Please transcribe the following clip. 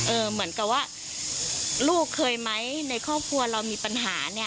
เหมือนกับว่าลูกเคยไหมในครอบครัวเรามีปัญหาเนี่ย